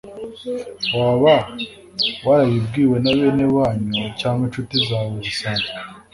waba warabibwiwe na bene wanyu cyangwa inshuti zawe zisanzwe